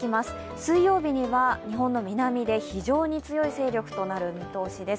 水曜日には日本の南で非常に強い勢力となる見通しです。